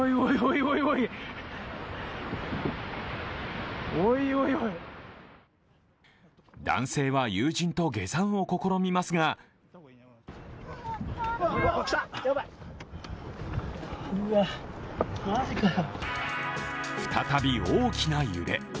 おいおい男性は友人と下山を試みますが再び大きな揺れ。